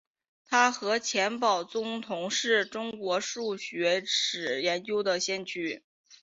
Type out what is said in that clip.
他和钱宝琮同是中国数学史研究的先驱。